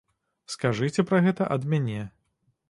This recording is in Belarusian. Скажыце пра гэта ад мяне.